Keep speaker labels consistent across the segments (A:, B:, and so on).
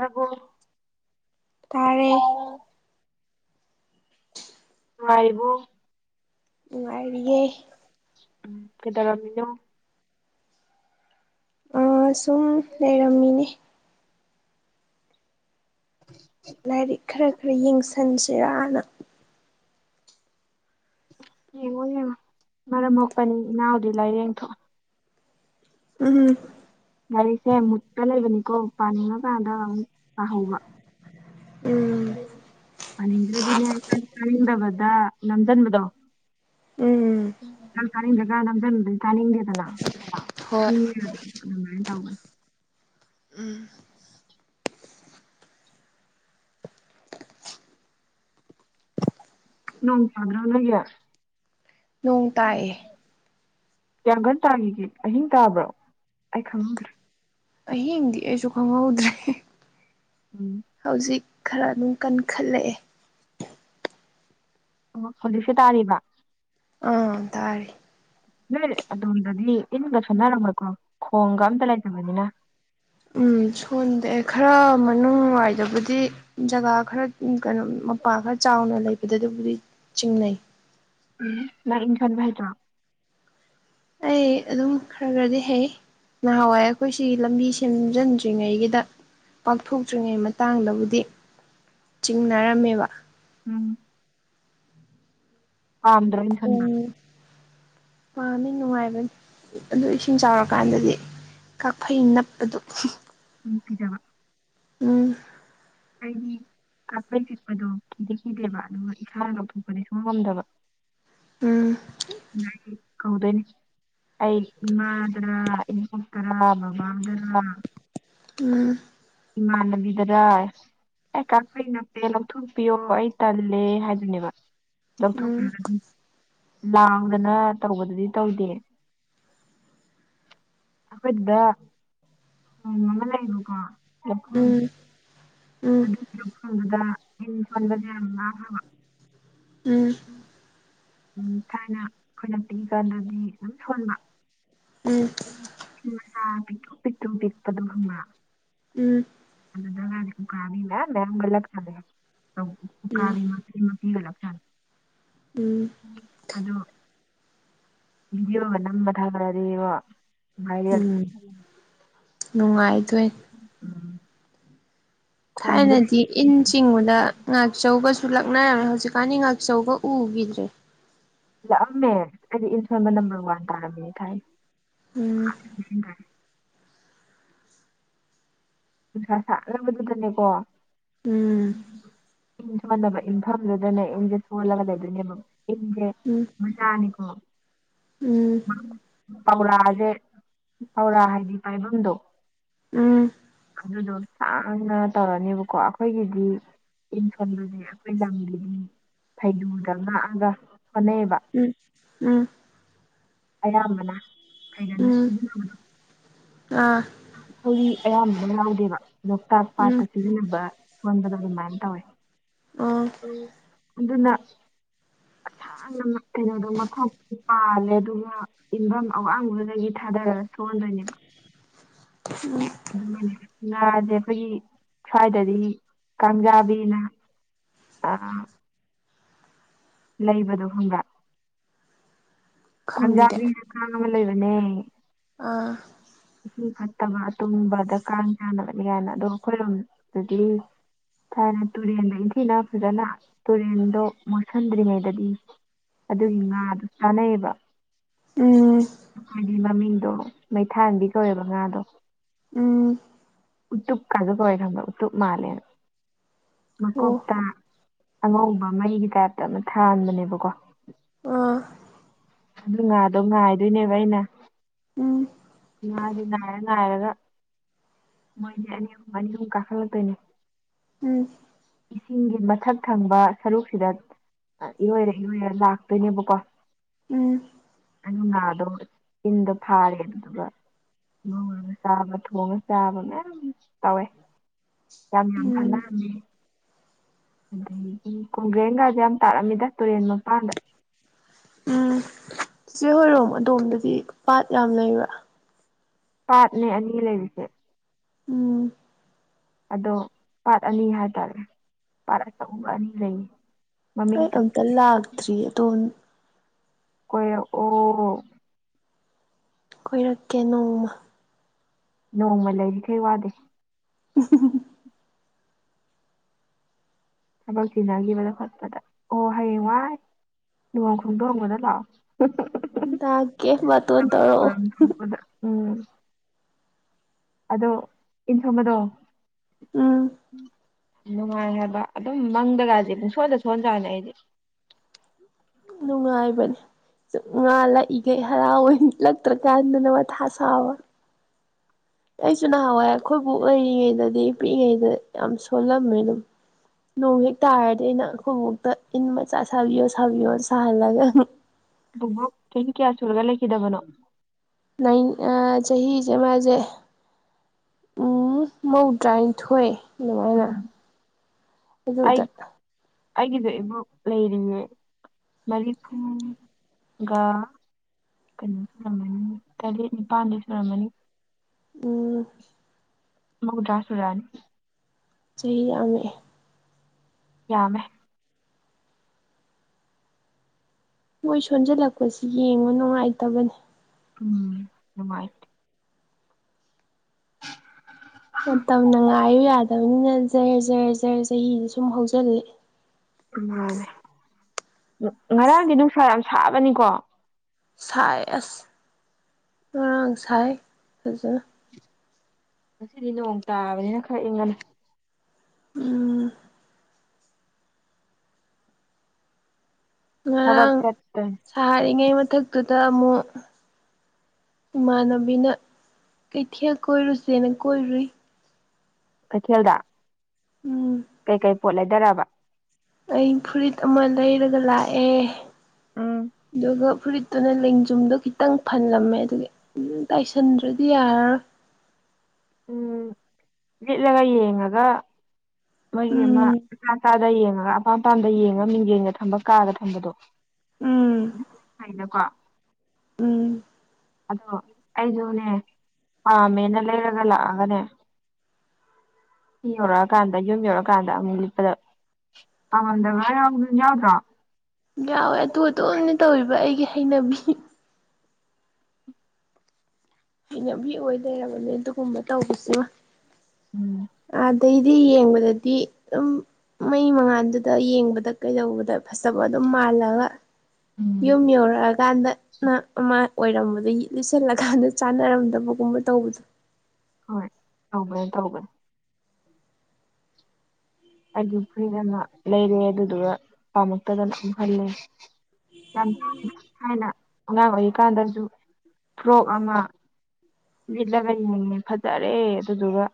A: ꯑꯕꯨꯣ [unintelligible] [inaudible]
B: ꯇꯥꯔꯦ
A: ꯅꯨꯡꯉꯥꯏꯔꯤꯕꯣ
B: ꯅꯨꯡꯉꯥꯏꯔꯤꯌꯦ
A: ꯎꯝ ꯀꯗꯒꯃꯤꯅ
B: ꯁꯨꯝ ꯂꯩꯔꯝꯃꯤꯅꯦ ꯂꯥꯏꯔꯤꯛ ꯈꯔ ꯈꯔ ꯌꯦꯡꯁꯟꯁꯦꯔꯅ
A: ꯌꯦꯉ ꯌꯦꯉ ꯃꯔꯝ ꯍꯛꯄꯅꯤ ꯏ ꯅꯅꯥꯎꯗꯤꯂ ꯌꯦꯡꯇꯣ
B: ꯎꯝ ꯎꯝ [unintelligible] [inaudible]
A: ꯒꯥꯔꯤꯁꯦ ꯃꯨꯠꯀ ꯂꯩꯕꯅꯤꯀꯣ ꯄꯥꯅꯤꯡꯉꯀꯥꯟꯗ ꯑꯃꯨꯛ ꯄꯥꯍꯧꯕ
B: ꯎꯝ
A: ꯄꯥꯅꯤꯡꯗ꯭ꯔꯗꯤꯅꯦ ꯆꯥꯅꯤꯡꯗꯕꯗ ꯅꯝꯁꯤꯟꯕꯗꯣ
B: ꯎꯝ
A: ꯈ ꯇꯥꯅꯤꯡꯗ꯭ꯔꯦ ꯈ ꯅꯝꯊꯟꯗꯗꯤ ꯆꯥꯅꯤꯡꯗꯦꯗꯅꯅꯤꯡ
B: ꯍꯣꯏ
A: ꯑꯗꯨꯃꯥꯏꯅ ꯇꯧꯕꯅꯤ
B: ꯎꯝ [unintelligible] [inaudible]
A: ꯅꯣꯡ ꯆꯨꯗꯔꯣ ꯅꯣꯏꯒꯤ
B: ꯅꯣꯡ ꯇꯥꯏꯌꯦ
A: ꯌꯥꯌꯥꯡꯈꯟ ꯇꯥꯒꯤ ꯑꯍꯤꯡ ꯇꯥꯕ꯭ꯔꯣ ꯑꯩ ꯈꯪꯍꯗ꯭ꯔꯦ
B: ꯑꯍꯤꯡꯗꯤ ꯑꯩꯁꯨ ꯈꯪꯍꯧꯗ꯭ꯔꯦ
A: ꯎꯝ [unintelligible] [inaudible]
B: ꯍꯧꯖꯤꯛ ꯈꯔ ꯑꯗꯨꯝ ꯀꯟꯈꯠꯂꯛꯑꯦ
A: ꯑꯣ ꯍꯧꯖꯤꯛꯁꯦ ꯇꯥꯔꯤꯕ [inaudible]
B: ꯑꯥ ꯇꯥꯔꯔꯤ [inaudible]
A: ꯅꯣꯏ ꯑꯗꯣꯝꯗꯗꯤ ꯏꯟꯒ ꯁꯥꯟꯅꯔꯝꯃꯣꯏꯀꯣ ꯈꯣꯡꯒ ꯑꯝꯇ ꯂꯩꯇꯕꯅꯤꯅ
B: ꯎꯝ ꯁꯣꯟꯗꯑꯦ ꯈꯔ ꯃꯅꯨꯡꯋꯥꯏꯗꯕꯨꯗꯤ ꯖꯒꯥ ꯈꯔ ꯀꯩꯅꯣ ꯃꯄꯥ ꯈꯔ ꯆꯥꯎꯅ ꯂꯩꯕꯗ ꯑꯗꯨꯕꯨꯗꯤ ꯆꯤꯡꯅꯩ
A: ꯎꯝ ꯃꯥ ꯏꯟ ꯁꫭꯟꯕ ꯍꯩꯇ꯭ꯔꫭ
B: ꯑꯩ ꯑꯗꯨꯝ ꯈꯔ ꯈꯔꯗꯤ ꯍꯩ ꯅꯍꯥꯟꯋꯥꯏ ꯑꯩꯈꯣꯏꯁꯤ ꯂꯝꯕꯤ ꯁꯦꯝꯖꯤꯟꯗ꯭ꯔꯤꯉꯩꯒꯤꯗ ꯄꯥꯛꯊꯣꯛꯇ꯭ꯔꯤꯉꯩ ꯃꯇꯥꯡꯗꯕꯨꯗꯤ ꯆꯤꯡꯅꯔꯝꯃꯦꯕ
A: ꯎꯝ ꯄꯥꯝꯗ꯭ꯔ ꯑꯩꯅ ꯈꯟꯕ
B: ꯎꯝ [unintelligible] ꯄꯥꯝꯃꯤ ꯅꯨꯡꯉꯥꯏꯕꯅꯤ ꯑꯗꯨ ꯏꯁꯤꯡ ꯆꯥꯎꯔꯀꯥꯟꯗꯗꯤ ꯀꯥꯛꯐꯩ ꯅꯞꯄꯗꯣ
A: ꯎꯝ ꯀꯤꯖꯕ
B: ꯎꯝ
A: ꯑꯩꯗꯤ ꯀꯥꯐꯩ ꯆꯠꯄꯗꯣ ꯀꯤꯗꯤꯦ ꯀꯤꯗꯦꯕ ꯑꯗꯨꯒ ꯏꯁꯥꯅ ꯉꯥꯊꯣꯛꯄꯗꯤ ꯁꯨꯡ ꯉꯝꯗꯕ
B: ꯎꯝ
A: [inaudible] ꯎꯝ [unintelligible] [inaudible] ꯀꯧꯗꯣꯏꯅꯦ ꯑꯩ ꯏꯃꯥꯗꯔꯥ ꯏꯉꯇꯔꯥ ꯕꯕꯥꯗꯔꯥ [inaudible]
B: ꯎ [inaudible]
A: ꯏꯃꯥꯟꯅꯕꯤꯗꯔ ꯑꯩ ꯀꯈꯩ ꯅꯠꯇꯦ ꯂꯧꯊꯣꯛꯄꯤꯌꯣ ꯑꯩ ꯇꯜꯂꯦ ꯍꯥꯏꯗꯨꯅꯦꯕ
B: ꯎꯝ
A: ꯂꯧꯊꯣꯛꯈ꯭ꯔ ꯑꯗꯨ ꯂꯥꯡꯗꯅ ꯇꯧꯕꯗꯨꯗꯤ ꯇꯧꯗꯦ ꯑꯩꯈꯣꯏꯗꯨꯗ ꯎ ꯑꯃ ꯂꯩꯕꯀꯣ
B: ꯎꯝ
A: [inaudible]
B: ꯎꯝ
A: ꯑꯗꯨꯒꯤꯔ ꯁꯣꯟꯕꯗ ꯏꯟ ꯁꯣꯟꯕꯁ ꯌꯥꯝ ꯋꯥ ꯍꯥꯏꯕ [inaudible] ꯎꯝ [unintelligible] [inaudible] ꯎꯝ ꯊꯥꯏꯅ ꯑꯩꯈꯣꯏꯅ ꯄꯤꯛꯏ ꯀꯥꯟꯗꯗꯤ ꯑꯗꯨꯝ ꯁꯣꯟꯕ ꯎ ꯄꯤꯛꯇꯨꯝ ꯄꯤꯛꯇꯨꯝ ꯄꯤꯛꯄꯗꯣ ꯍꯪꯕ [inaudible]
B: ꯎꯝ
A: ꯑꯗꯨꯗ ꯒꯥꯗꯤ ꯎꯀꯥꯕꯤ ꯃꯌꯥꯝ ꯃꯌꯥꯝꯒ ꯂꯛ ꯖꯥꯠꯅꯤ ꯑꯆꯧꯕ
B: ꯎꯝ
A: ꯎꯀꯥꯕꯤ
B: ꯎꯝ
A: ꯏ ꯃꯄꯤꯒ ꯂꯛꯆꯥꯅꯤ
B: ꯎꯝ
A: ꯑꯗꯣ ꯚꯤꯗꯤꯌꯣꯒ ꯅꯝꯕ ꯊꯥꯒꯠꯂꯗꯤꯕꯣ ꯚꯥꯏꯔꯦꯜ
B: ꯎꯝ
A: ꯆꯠꯅꯤ
B: ꯅꯨꯡꯉꯥꯏꯗꯣꯏ
A: ꯎꯝ ꯈꯣꯡꯗꯣ
B: ꯊꯥꯏꯅꯗꯤ ꯏꯟ ꯆꯤꯡꯕꯗ ꯉꯥꯛꯆꯧꯒꯁꯨ ꯂꯛꯅꯔꯝꯃꯦ ꯍꯧꯖꯤꯛꯀꯥꯟꯗꯤ ꯉꯥꯛꯆꯧꯒ ꯎꯒꯤꯗ꯭ꯔꯦ
A: ꯂꯛꯑꯝꯃꯦ ꯑꯩꯗꯤ ꯏꯁꯟꯁꯣꯟꯕ ꯅꯝꯕꯔ ꯋꯥꯟ ꯇꯥꯔꯝꯃꯤꯅꯤ ꯊꯥꯏꯅ
B: ꯎꯝ
A: [unintelligible] ꯅꯨꯡꯁꯥ ꯁꯥꯒ꯭ꯔꯕꯗꯨꯗꯅꯦꯀꯣ
B: ꯎꯝ
A: ꯏꯟꯁꯣꯟꯅꯕ ꯏꯟꯐꯝꯗꯨꯗꯅꯦ ꯏꯪꯁꯦ ꯁꯣꯜꯂꯒ ꯂꯩꯗꯣꯏꯅꯦꯕ ꯏꯟꯁꯦ
B: ꯎꯝ
A: ꯃꯆꯥꯥꯅꯤꯀꯣ
B: ꯎꯝ
A: ꯄꯧꯔꯥꯁꯦ ꯄꯧꯔꯥ ꯍꯥꯏꯗꯤ ꯄꯥꯏꯕꯝꯗꯣ
B: ꯎꯝ
A: ꯑꯗꯨꯗꯣ ꯁꯥꯡꯅ ꯇꯧꯔꯅꯤꯕꯀꯣ ꯑꯩꯈꯣꯏꯒꯤꯗꯤ ꯏꯟ ꯁꯣꯟꯕꯁꯦ ꯑꯩꯈꯣꯏ ꯂꯝꯒꯤꯗꯤ ꯐꯩꯔꯨꯗ ꯉꯥꯛꯑꯒ ꯁꯣꯟꯅꯩꯑꯕ
B: ꯎꯝ ꯎꯝ
A: ꯑꯌꯥꯝꯕꯅ ꯐꯩꯒꯟꯅ
B: ꯎꯝ
A: ꯁꯤꯖꯤꯟꯅꯕꯗꯣ
B: ꯑꯥ
A: ꯊꯧꯔꯤ ꯑꯌꯥꯝꯕꯅ ꯌꯥꯎꯗꯦꯕ ꯂꯣꯛꯇꯥꯛ ꯄꯥꯠꯇ
B: ꯎꯝ
A: ꯁꯤꯖꯤꯟꯅꯕ ꯁꯣꯟꯕꯗꯣ ꯑꯗꯨꯃꯥꯏꯅ ꯇꯧꯋꯦ
B: ꯑꯣ
A: ꯎꯝ ꯑꯗꯨꯅ ꯑꯁꯥꯡ ꯑꯥ ꯀꯩꯅꯣꯗꯣ ꯃꯈꯣꯛ ꯄꯥꯜꯂꯦ ꯑꯗꯨꯒ ꯏꯐꯝ ꯑꯋꯥꯡꯕꯗꯨꯗꯒꯤ ꯊꯥꯗꯔꯒ ꯁꯣꯟꯗꯣꯏꯅꯦꯕ ꯑꯗꯨꯒꯅꯦ ꯉꯥꯁꯦ ꯑꯩꯈꯣꯏꯒꯤ ꯁ꯭ꯋꯥꯏꯗꯗꯤ ꯀꯥꯡꯖꯥꯕꯤꯅ ꯑꯥ ꯂꯩꯕꯗꯣ ꯈꯪꯕ꯭ꯔꯥ
B: ꯈꯪꯗꯦ
A: ꯀꯥꯡꯖꯥꯕꯤꯅ ꯀꯥꯡ ꯑꯃ ꯂꯩꯕꯅꯦ
B: ꯑꯥ
A: ꯏꯁꯤꯡ ꯐꯠꯇꯕ ꯇꯨꯝꯕꯗ ꯀꯥꯡ ꯆꯥꯅꯕꯅꯤ ꯀꯥꯏꯅ ꯑꯗꯣ ꯑꯩꯈꯣꯏꯔꯣꯝ ꯑꯗꯨꯗꯤ ꯊꯥꯏꯅ ꯇꯨꯔꯦꯟꯗ ꯏꯟꯊꯤꯅ ꯐꯖꯅ ꯇꯨꯔꯦꯟꯗꯣ ꯃꯣꯠꯁꯤꯟꯗ꯭ꯔꯤꯉꯩꯗꯗꯤ ꯑꯗꯨꯒꯤ ꯉꯥꯗꯨ ꯆꯥꯅꯩꯑꯕ
B: ꯎꯝ
A: ꯍꯥꯏꯗꯤ ꯃꯃꯤꯡꯗꯣ ꯃꯩꯊꯥꯟꯕꯤ ꯀꯧꯋꯦꯕ ꯉꯥꯗꯣ
B: ꯎꯝ
A: ꯎꯠꯇꯨꯞ ꯀꯗꯀꯔꯝꯕ ꯎꯠꯇ ꯃꯥꯂꯅ
B: ꯑꯣ
A: ꯃꯥꯀꯠꯇ ꯑꯉꯧꯕ ꯃꯩꯒꯤ ꯇꯥꯏꯞꯇ ꯑꯃ ꯊꯥꯍꯟꯥꯟꯕꯅꯦꯕꯀꯣ
B: ꯑꯥ
A: ꯑꯗꯨ ꯉꯥꯗꯣ ꯉꯥꯏꯗꯣꯏꯅꯦꯕ ꯑꯩꯅ
B: ꯎꯝ
A: ꯉꯥꯗꯤ ꯅꯥꯏꯔ ꯅꯥꯏꯔꯒ ꯃꯣꯏꯖꯦ ꯑꯅꯤꯍꯨꯝ ꯑꯅꯤꯍꯨꯝ ꯀꯥꯈꯠꯂꯛꯇꯣꯏꯅꯦ
B: ꯎꯝ
A: ꯏꯁꯤꯡꯒꯤ ꯃꯊꯛ ꯊꯪꯕ ꯁꯔꯨꯛꯁꯤꯗ ꯏꯔꯣꯏꯔ ꯏꯔꯣꯏꯔ ꯂꯥꯛꯇꯣꯏꯅꯦꯕꯀꯣ
B: ꯎꯝ
A: ꯑꯩꯅ ꯉꯥꯗꯣ ꯏꯟꯗ ꯐꯥꯔꯦ ꯑꯗꯨꯗꯨꯒ ꯉꯧꯔꯒ ꯆꯥꯕ ꯊꯣꯡꯉꯦ ꯆꯥꯕ ꯃꯌꯥꯝ ꯇꯧꯋꯦ ꯌꯥꯝ ꯌꯥꯝ
B: ꯎꯝ
A: ꯐꯥꯅꯔꯝꯃꯦ ꯑꯗꯒꯤ ꯀꯣꯡꯒ꯭ꯔꯦꯡꯒꯁꯦ ꯌꯥꯝ ꯇꯥꯔꯝꯃꯤꯗ ꯇꯨꯔꯦꯟ ꯃꯄꯥꯟꯗ
B: ꯎꯝ ꯆꯤꯆꯦ ꯍꯣꯏꯔꯣꯝ ꯑꯗꯣꯝꯗꯗꯤ ꯄꯥꯠ ꯌꯥꯝ ꯂꯩꯕ꯭ꯔꯥ
A: ꯄꯥꯠꯅꯦ ꯑꯅꯤ ꯂꯩꯔꯤꯁꯦ
B: ꯎꯝ
A: ꯑꯗꯣ ꯄꯥꯠ ꯑꯅꯤ ꯍꯥꯏꯇꯥꯔꯦ ꯄꯥꯠ ꯑꯆꯧꯕ ꯑꯅꯤ ꯂꯩꯌꯦ ꯃꯃꯤꯡ
B: ꯑꯩ ꯑꯝꯇ ꯂꯥꯛꯇ꯭ꯔꯤ ꯑꯗꯣꯝ
A: ꯀꯈꯣꯏ ꯑꯣ
B: ꯀꯣꯏꯔꯛꯀꯦ ꯅꯣꯡꯃ
A: ꯅꯣꯡꯃ ꯂꯩꯔꯤ ꯀꯩ ꯋꯥꯗꯦ
B: ꯎ
A: ꯊꯕꯛ ꯆꯤꯟꯅꯈꯤꯕꯗ ꯈꯣꯠꯄꯗ ꯑꯣ ꯍꯌꯦꯡ ꯋꯥꯏ ꯂꯨꯍꯣꯡ ꯈꯣꯡꯗꯣꯡꯕꯗ ꯂꯥꯛꯑꯣ
B: ꯂꯥꯛꯀꯦ ꯕꯥꯇꯣꯟ
A: ꯊꯕꯛ ꯊꯧꯔꯝ
B: ꯇꯧꯔꯛꯑꯣ
A: ꯊꯣꯛꯄꯗ ꯎꯝ ꯑꯗꯣ ꯏꯟ ꯁꯣꯟꯕꯗꯣ
B: ꯎꯝ
A: ꯅꯨꯡꯉꯥꯏ ꯍꯥꯏꯕ ꯑꯗꯨꯝ ꯃꯪꯗꯒꯁꯦ ꯄꯨꯡꯁꯣꯟꯗ ꯁꯣꯟꯍꯖ꯭ꯔꯅꯦ ꯑꯩꯗꯤ
B: ꯅꯨꯡꯉꯥꯏꯕꯅꯤ ꯁ ꯉꯥ ꯂꯛꯏꯈꯩ ꯍꯔꯥꯎꯋꯦ ꯂꯛꯇ꯭ꯔꯀꯥꯟꯗꯅ ꯃꯥꯊꯥ ꯁꯥꯕ
A: [inaudible]
B: ꯑꯩꯁꯨ ꯅꯍꯥꯟꯋꯥꯏ ꯑꯩꯈꯣꯏꯕꯣꯛ ꯂꯩꯔꯤꯉꯩꯗꯗꯤ ꯄꯤꯛꯏꯉꯩꯗ ꯌꯥꯝ ꯁꯣꯜꯂꯝꯃꯦ ꯑꯗꯨꯝ ꯅꯣꯡ ꯍꯦꯛ ꯇꯥꯔꯗꯤ ꯑꯩꯅ ꯑꯩꯈꯣꯏ ꯕꯣꯜꯇ ꯏꯟ ꯃꯆꯥ ꯁꯥꯕꯤꯌꯣ ꯁꯥꯕꯤꯌꯣ ꯁꯥꯍꯜꯂꯒ
A: ꯕꯨꯕꯣꯛ ꯆꯍꯤ ꯀꯌꯥ ꯁꯨꯔꯒ ꯂꯩꯈꯤꯗꯕꯅꯣ
B: ꯂꯩ ꯆꯍꯤꯁꯦ ꯃꯥꯁꯦ ꯎꯝ ꯃꯧꯗ꯭ꯔꯥꯅꯤꯊꯣꯏ ꯑꯗꯨꯃꯥꯏꯅ
A: ꯎꯝ
B: ꯑꯗꯨꯗ
A: ꯑꯩꯒꯤꯗ ꯏꯕꯨ ꯂꯩꯔꯤꯉꯦ ꯃꯔꯤ ꯐꯨꯒ ꯀꯩꯅꯣ ꯁꯨꯔꯝꯃꯅꯤ ꯇꯔꯦꯠ ꯅꯤꯄꯥꯟꯗ ꯁꯨꯔꯝꯃꯅꯤ
B: ꯎꯝ
A: ꯃꯨꯗ꯭ꯔꯁꯨꯨꯔꯥꯅꯤ
B: ꯆꯍꯤ ꯌꯥꯝꯃꯛꯑꯦ
A: ꯌꯥꯝꯃꯦ
B: ꯃꯣꯏ ꯁꯣꯟꯖꯜꯂꯛꯄꯁꯤ ꯌꯦꯡꯕ ꯅꯨꯡꯉꯥꯏꯇꯕꯅꯦ
A: ꯎꯝ ꯅꯨꯡꯉꯥꯏꯇꯦ
B: ꯃꯇꯝꯅ ꯉꯥꯏꯌꯨ ꯌꯥꯗꯕꯅꯤꯅ ꯖꯔ ꯖꯔ ꯖꯔꯦ ꯆꯍꯤꯗꯤ ꯁꯨꯝ ꯍꯧꯖꯤꯜꯂꯤ
A: ꯃꯥꯅꯦ ꯉꯔꯥꯡꯗꯤ ꯅꯨꯡꯁꯥ ꯌꯥꯝ ꯁꯥꯕꯅꯤꯀꯣ
B: ꯁꯥꯏ ꯑꯁ ꯉꯥꯡꯔꯥꯡ ꯁꯥꯏ ꯐꯖꯅ
A: ꯉꯁꯤꯗꯤ ꯅꯣꯡ ꯇꯥꯕꯅꯤꯅ ꯈꯔ ꯏꯪꯒꯅꯤ
B: ꯎꯝ
A: ꯊꯕꯛ
B: ꯉꯔꯥꯡ
A: ꯆꯠꯇꯣꯏꯅꯤ
B: ꯁꯥꯔꯤꯉꯩ ꯃꯊꯛꯇꯨꯗ ꯑꯃꯨꯛ ꯏꯃꯥꯟꯅꯕꯤꯅ ꯀꯩꯊꯦꯜ ꯀꯣꯏꯔꯨꯁꯦꯅ ꯀꯣꯏꯔꯨꯏ
A: ꯀꯩꯊꯦꯜꯗ
B: ꯎꯝ
A: ꯀꯩꯀꯩ ꯄꯣꯠ ꯂꯩꯗꯔꯛꯑꯕ
B: ꯑꯩ ꯐꯨꯔꯤꯠ ꯑꯃ ꯂꯩꯔꯒ ꯂꯥꯛꯑꯦ
A: ꯎꯝ
B: ꯑꯗꯨꯒ ꯐꯨꯔꯤꯠ ꯑꯗꯨꯅ ꯂꯦꯡꯖꯨꯝꯗꯣ ꯈꯤꯇꯪ ꯐꯜꯂꯝꯃꯦ ꯑꯗꯨꯒꯤ ꯇꯥꯏꯁꯟꯗ꯭ꯔꯗꯤ ꯌꯥꯔꯔꯣꯏ
A: ꯎꯝ ꯂꯤꯠꯂꯒ ꯌꯦꯡꯉꯒ ꯃꯣꯏꯒꯤ ꯑꯃ
B: ꯎꯝ
A: ꯑꯆꯥ ꯑꯗ ꯌꯦꯡꯉꯒ ꯑꯄꯥꯝ ꯑꯄꯥꯝꯗ ꯌꯦꯡꯉ ꯃꯤꯡꯖꯡꯒ ꯊꯝꯕ ꯀꯥꯒ ꯊꯝꯕꯗꯣ
B: ꯎꯝ
A: ꯐꯥꯏꯅꯀꯣ
B: ꯎꯝ
A: ꯑꯗꯣ ꯑꯩꯁꯨꯅꯦ ꯄꯥꯝꯃꯦꯅ ꯂꯩꯔꯒ ꯂꯥꯛꯑꯒꯅꯦ ꯁꯤꯌꯥꯎꯔꯥꯒꯥꯝ ꯌꯨꯝ ꯌꯧꯔꯛꯑꯀꯥꯟꯗ ꯑꯃꯨꯛ ꯂꯤꯠꯄꯗ ꯄꯥꯝꯂꯝꯗꯕꯒ ꯌꯥꯎꯗ꯭ꯔꯣ
B: ꯌꯥꯎꯋꯦ ꯑꯗꯨ ꯑꯗꯨꯝ ꯇꯧꯔꯤꯕ ꯑꯩꯒꯤ ꯍꯩꯅꯕꯤ ꯍꯩꯅꯕꯤ ꯑꯣꯏ ꯂꯩꯔꯕꯅꯤ ꯑꯗꯨꯒꯨꯝꯕ ꯇꯧꯕꯁꯤꯃ
A: ꯎꯝ
B: ꯑꯗꯩꯗꯤ ꯌꯦꯡꯕꯗꯗꯤ ꯑꯗꯨꯝ ꯃꯩ ꯃꯉꯥꯜꯗꯨꯗ ꯌꯦꯡꯕꯗ ꯀꯩꯗꯧꯕꯗ ꯐꯖꯕ ꯑꯗꯨꯝ ꯃꯥꯜꯂꯒ
A: ꯎꯝ
B: ꯌꯨꯝ ꯌꯧꯔꯛ ꯀꯥꯟꯗꯅ ꯑꯃꯥ ꯑꯣꯏꯔꯝꯕꯗꯩ ꯂꯤꯁꯜꯂꯀꯥꯟꯗ ꯆꯥꯟꯅꯔꯝꯗꯕꯒꯨꯝꯕ ꯇꯧꯕꯗꯣ
A: ꯍꯣꯏ ꯇꯧꯕꯅꯦ ꯇꯧꯕꯅꯦ ꯑꯗꯨ ꯐꯨꯔꯤꯠ ꯑꯃ ꯂꯩꯔꯦ ꯑꯗꯨꯗꯨꯒ ꯄꯥꯝꯃꯛꯇꯗꯅ ꯑꯃꯨ ꯍꯜꯂꯦ ꯌꯥꯝ ꯍꯥꯏꯅ ꯑꯉꯥꯡ ꯑꯣꯏꯔꯤꯀꯥꯟꯗꯁꯨ ꯐ꯭ꯔꯣꯛ ꯑꯃ ꯂꯤꯠꯂꯒ ꯌꯦꯡꯉꯦ ꯐꯖꯔꯦ ꯑꯗꯨꯗꯨꯒ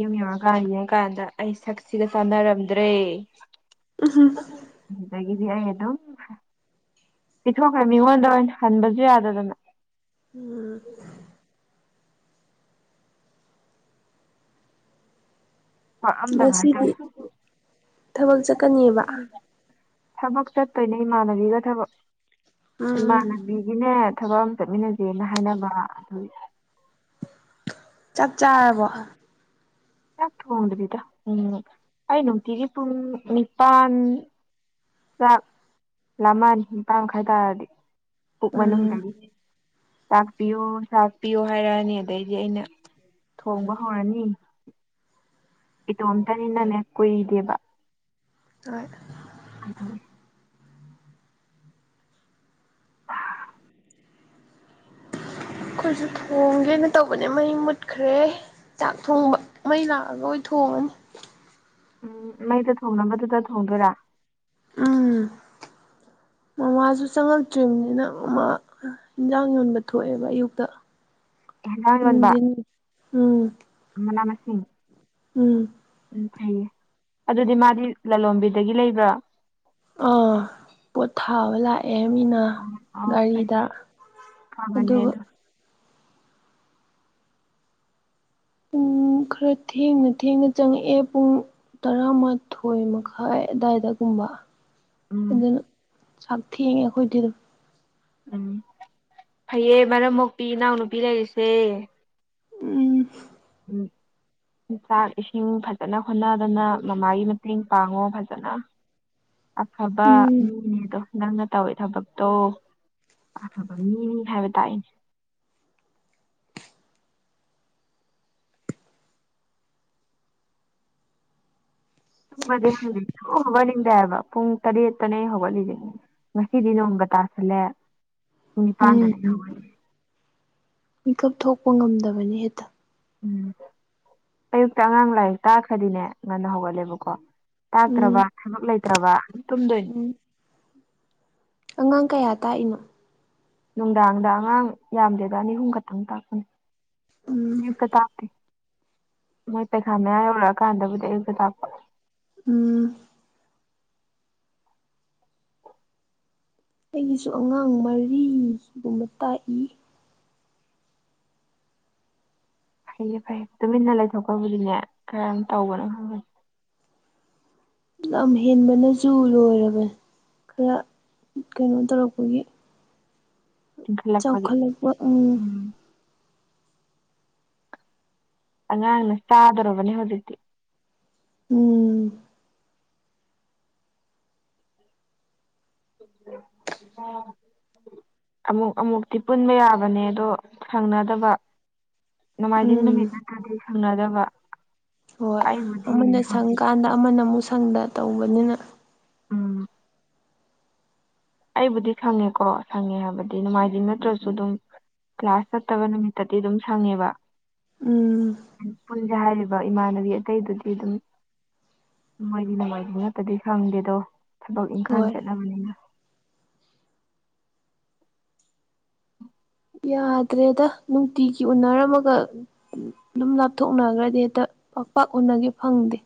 A: ꯌꯨꯝ ꯌꯧꯔꯒ ꯌꯦꯡꯉꯀꯥꯟꯗ ꯑꯩ ꯁꯛꯁꯤꯒ ꯆꯥꯟꯅꯔꯝꯗ꯭ꯔꯦ ꯑꯩꯅ ꯑꯗꯨꯝ ꯄꯤꯊꯣꯛꯈ꯭ꯔꯦ ꯃꯤꯉꯣꯟꯗ ꯑꯣꯏꯅ ꯍꯟꯕꯁꯨ ꯌꯥꯗꯗꯅ
B: ꯎꯝ
A: ꯑꯍꯟꯕꯗ
B: ꯉꯁꯤꯗꯤ ꯊꯕꯛ ꯆꯠꯀꯅꯦꯕ
A: ꯊꯕꯛ ꯆꯠꯇꯣꯏꯅꯦ ꯏꯃꯥꯟꯅꯕꯤꯒ ꯊꯕꯛ
B: ꯎꯝ
A: ꯏꯃꯥꯟꯅꯕꯤ ꯕꯤꯒꯤꯅꯦ ꯊꯕꯛ ꯑꯃ ꯆꯠꯃꯤꯟꯅꯁꯦꯅ ꯍꯥꯏꯅꯕ ꯑꯗꯨ
B: ꯆꯥꯛ ꯆꯥꯔꯕ
A: ꯌꯥ ꯊꯣꯡꯗ꯭ꯔꯤꯗ ꯎꯝ ꯑꯩ ꯅꯨꯡꯇꯤꯒꯤ ꯄꯨꯡ ꯅꯤꯄꯥꯟ ꯆꯥꯛ ꯂꯃꯅꯤ ꯅꯤꯄꯟꯃꯈꯥꯏꯇꯥꯔꯗꯤ ꯄꯨꯛ
B: ꯎꯝ
A: ꯃꯅꯨꯡꯗꯒꯤ ꯆꯥꯛꯄꯤꯌꯣ ꯆꯥꯛꯄꯤꯌꯣ ꯍꯥꯏꯔꯛꯑꯅꯤ ꯑꯗꯩꯗꯤ ꯑꯩꯅ ꯊꯣꯡꯕ ꯍꯧꯔꯅꯤ ꯏꯇꯣꯝꯇꯅꯤꯅꯅꯦ ꯀꯨꯏꯗꯦꯕ
B: ꯍꯣꯏ
A: ꯑꯗꯨ
B: ꯑꯩꯈꯣꯏꯁꯨ ꯊꯣꯡꯒꯦꯅ ꯇꯧꯕꯅꯦ ꯃꯩ ꯃꯨꯠꯈ꯭ꯔꯦ ꯆꯥꯛ ꯊꯣꯡꯕ ꯃꯩ ꯂꯥꯛꯑꯒ ꯑꯣꯏꯅ ꯊꯣꯡꯉꯅꯤ
A: ꯎꯝ ꯃꯩꯗ ꯊꯣꯡꯅꯕꯗꯨꯗ ꯊꯣꯡꯗꯣꯏꯔꯥ [inaudible]
B: ꯎ ꯃꯥꯁꯨ ꯆꯪꯉꯛꯇ꯭ꯔꯤꯕꯅꯤꯅ ꯃꯥ ꯏꯟꯖꯥꯡ ꯌꯣꯟꯕ ꯊꯣꯛꯑꯦꯕ ꯑꯌꯨꯛꯇ
A: ꯍꯦꯟꯖꯥꯡ
B: ꯅꯨꯡꯊꯤꯟ ꯎꯝ
A: ꯃꯥꯅꯦ ꯃꯁꯤꯡ
B: ꯎꯝ
A: ꯎꯝ ꯐꯩꯌꯦ ꯑꯗꯨꯗꯤ ꯃꯥꯗꯤ ꯂꯂꯣꯟꯕꯤꯗꯒꯤ ꯂꯩꯕ꯭ꯔꫭ
B: ꯑꯥ ꯄꯣꯠ ꯊꯥꯕ ꯂꯥꯛꯑꯦ ꯃꯤꯅ
A: ꯑꯣ ꯐꯩ
B: ꯒꯥꯔꯤꯗ
A: ꯐꯩ ꯐꯕꯅꯦ
B: ꯑꯗꯨꯒ
A: ꯑꯗꫭ
B: ꯄꯨꯡ ꯈꯔ ꯊꯦꯡꯅ ꯊꯦꯡꯅ ꯆꯪꯉꯛꯑꯦ ꯄꯨꯡ ꯇꯔꯥꯃꯥꯊꯣꯏ ꯃꯈꯥꯏ ꯑꯗꯥꯏꯗꯒꯨꯝꯕ
A: ꯎꯝ
B: ꯑꯗꯨꯅ ꯆꯥꯛ ꯊꯦꯡꯉꯦ ꯑꯩꯈꯣꯏꯗꯤ ꯑꯗꯨꯝ
A: ꯎꯝ ꯐꯩꯌꯦ ꯃꯔꯝ ꯃꯣꯛꯄꯤ ꯏꯅꯥꯎꯅꯨꯄꯤ ꯂꯩꯔꯤꯁꯦ
B: ꯎꯝ
A: ꯎꯝ ꯆꯥꯛ ꯏꯁꯤꯡ ꯐꯖꯅ ꯍꯣꯠꯅꯗꯅ ꯃꯃꯥꯒꯤ ꯃꯇꯦꯡ ꯄꯥꯡꯉꯣ ꯐꯖꯅ ꯑꯐꯕ
B: ꯎꯝ
A: ꯃꯤꯅꯤꯗꯣ ꯅꯪꯅ ꯇꯧꯔꯤ ꯊꯕꯛꯇꯣ ꯇꯣ ꯑꯐꯕ ꯃꯤꯅꯤ ꯍꯥꯏꯕ ꯇꯥꯏꯅꯦ ꯇꯨꯡꯕꯗꯤ ꯍꯧꯗꯦ ꯍꯧꯒꯠꯅꯤꯡꯗꯦ ꯍꯥꯏꯕ ꯄꯨꯡ ꯇꯔꯦꯠꯇꯅꯦ ꯍꯧꯒꯠꯂꯤꯁꯤ ꯉꯁꯤꯗꯤ ꯅꯣꯡꯒ ꯇꯥꯁꯜꯂꯦ ꯄꯨꯡ ꯅꯤꯄꯥꯟꯗꯅꯦ ꯑꯩꯅ
B: ꯎꯝ
A: ꯍꯧꯒꯠꯂꯦ
B: ꯃꯤꯀꯞ ꯊꯣꯛꯄ ꯉꯝꯗꯕꯅꯤ ꯍꯦꯛꯇ
A: ꯎꯝ ꯑꯌꯨꯛꯇ ꯑꯉꯥꯡ ꯂꯥꯏꯔꯤꯛ ꯇꯥꯈ꯭ꯔꯗꯤꯅꯦ ꯉꯟꯅ ꯍꯧꯒꯠꯂꯦꯕꯀꯣ
B: ꯎꯝ
A: ꯇꯥꯛꯇ꯭ꯔꯕ ꯊꯕꯛ ꯂꯩꯇ꯭ꯔꯕ
B: ꯎꯝ ꯑꯉꯥꯡ ꯀꯌꯥ ꯇꯥꯛꯏꯅꯣ
A: ꯅꯨꯡꯗꯥꯡꯗ ꯑꯉꯥꯡ ꯌꯥꯝꯗ꯭ꯔꯦꯗ ꯑꯅꯤ ꯑꯍꯨꯝ ꯈꯛꯇꯪ ꯇꯥꯛꯄꯅꯤ
B: ꯎꯝ
A: ꯑꯌꯨꯛꯇ ꯇꯥꯛꯇꯦ ꯃꯣꯏ ꯄꯩꯈꯥ ꯃꯌꯥ ꯌꯧꯔꯛꯑꯀꯥꯟꯗꯕꯨꯗꯤ ꯑꯌꯨꯛꯇ ꯇꯥꯛꯄ
B: ꯎꯝ ꯑꯩꯒꯤꯁꯨ ꯑꯉꯥꯡ ꯃꯔꯤꯒꯨꯝꯕ ꯇꯥꯛꯏ
A: ꯐꯩꯌꯦ ꯐꯩꯌꯦ ꯇꯨꯃꯤꯟꯅ ꯂꯩꯊꯣꯛꯗꯕꯤꯗꯅꯦ ꯀꯔꯝ ꯇꯧꯕꯅꯣ ꯈꯪꯕꯅꯤ
B: ꯂꯝ ꯍꯦꯟꯕꯅꯁꯨ ꯂꯣꯏꯔꯕ ꯈꯔ ꯀꯩꯅꯣ ꯇꯧꯔꯛꯄꯒꯤ
A: ꯏꯟꯈꯠꯂꯛꯄꯒꯤ
B: ꯆꯥꯎꯈꯜꯂꯛꯄ ꯎꯝ
A: ꯑꯉꯥꯡꯅ ꯆꯥꯗꯧꯔꯕꯅꯦ ꯍꯧꯖꯤꯛꯇꯤ
B: ꯎꯝ
A: ꯑ ꯑꯃꯨꯛ ꯑꯃꯨꯛꯇꯤ ꯄꯨꯟꯕ ꯌꯥꯕꯅꯦ ꯑꯗꯣ ꯁꯪꯅꯗꯕ ꯅꯣꯡꯃꯥꯏꯖꯤꯡ
B: ꯎꯝ
A: ꯅꯨꯃꯤꯠ ꯅꯠꯇ꯭ꯔꯗꯤ ꯁꯪꯅꯗꯕ
B: ꯍꯣꯏ
A: ꯑꯩꯕꯨꯗꯤ
B: ꯑꯃꯅ
A: ꯍꯧꯖꯤꯛ
B: ꯁꯪꯀꯥꯟꯗ ꯑꯃꯅ ꯑꯃꯨꯛ ꯁꯪꯗ ꯇꯧꯕꯅꯤꯅ
A: ꯎꯝ ꯑꯩꯕꯨꯗꯤ ꯈꯪꯉꯦꯀꯣ ꯁꯪꯉꯦ ꯍꯥꯏꯕꯗꯤ ꯅꯨꯡꯃꯥꯏꯖꯤꯡ ꯅꯠꯇ꯭ꯔꯁꯨ ꯑꯗꯨꯝ ꯀ꯭ꯂꯥꯁ ꯆꯠꯇꯕ ꯅꯨꯃꯤꯠꯇꯗꯤ ꯑꯗꯨꯝ ꯁꯪꯉꯦꯕ
B: ꯎꯝ
A: ꯄꯨꯟꯁꯦ ꯍꯥꯏꯔꯤꯕ ꯏꯃꯥꯟꯅꯕꯤ ꯑꯇꯩꯗꯨꯗꯤ ꯑꯗꯨꯝ ꯃꫭꯏꯗꯤ ꯅꯨꯡꯃꯥꯏꯖꯤꯡ ꯉꯠꯇꯗꯤ ꯁꯪꯗꯦꯗꯣ ꯊꯕꯛ ꯏꯪꯈꯥꯡ
B: ꯍꯣꯏ
A: ꯆꯦꯠꯅꯕꯅꯤꯅ
B: ꯌꯥꯗ꯭ꯔꯦꯗ ꯅꯨꯡꯇꯤꯒꯤ ꯎꯅꯔꯝꯃꯒ ꯑꯗꯨꯝ ꯂꯥꯞꯊꯣꯛꯅꯈꯒ꯭ꯔꯗꯤ ꯍꯦꯛꯇ ꯄꯥꯛ ꯄꯥꯛ ꯎꯅꯒꯦ ꯐꯪꯗꯦ